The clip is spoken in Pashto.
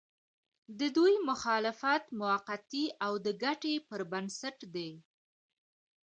د دوی مخالفت موقعتي او د ګټې پر بنسټ دی.